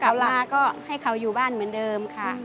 เขาลาก็ให้เขาอยู่บ้านเหมือนเดิมค่ะ